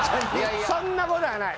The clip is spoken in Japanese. そんなことはない。